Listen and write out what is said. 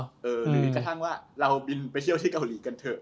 หรือแม้กระทั่งว่าเราบินไปเที่ยวที่เกาหลีกันเถอะ